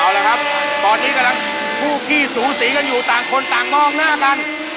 เอาละครับตอนนี้กำลังคู่ขี้สูสีกันอยู่ต่างคนต่างมองหน้ากัน